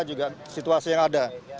juga situasi yang ada